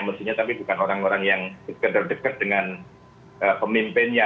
mestinya tapi bukan orang orang yang sekedar dekat dengan pemimpinnya